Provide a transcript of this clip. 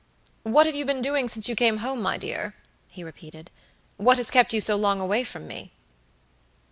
"What have you been doing since you came home, my dear?" he repeated. "What has kept you so long away from me?"